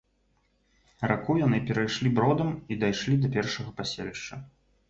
Раку яны перайшлі бродам і дайшлі да першага паселішча.